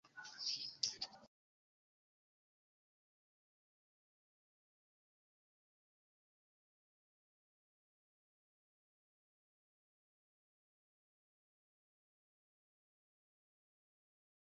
Heleno ne ĉeestis dum tagmanĝo kaj dum la interparolado de la bojaroj.